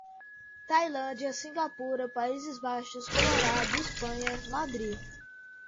Tailândia, Singapura, Países Baixos, Colorado, Espanha, Madrid